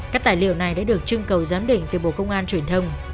các tài liệu này đã được trưng cầu giám định từ bộ công an truyền thông